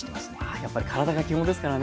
やっぱり体が基本ですからね。